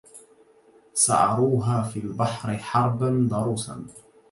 سعروها في البحر حربا ضروسا